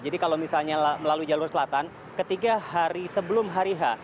jadi kalau misalnya melalui jalur selatan ketiga hari sebelum hari raya